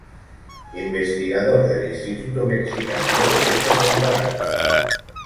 Investigador del Instituto Mexicano de Derecho Comparado.